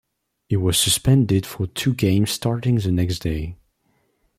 He was suspended for two games starting the next day.